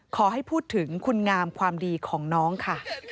ขอให้พูดถึงคุณงามความดีของน้องค่ะ